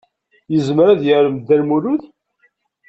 Yezmer ad yarem Dda Lmulud?